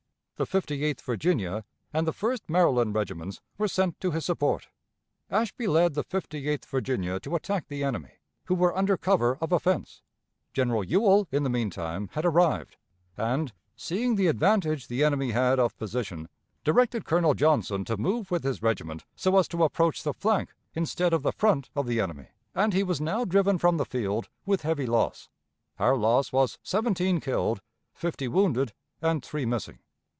The Fifty eighth Virginia and the First Maryland Regiments were sent to his support. Ashby led the Fifty eighth Virginia to attack the enemy, who were under cover of a fence. General Ewell in the mean time had arrived, and, seeing the advantage the enemy had of position, directed Colonel Johnson to move with his regiment so as to approach the flank instead of the front of the enemy, and he was now driven from the field with heavy loss. Our loss was seventeen killed, fifty wounded, and three missing.